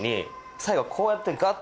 最後こうやってガッ！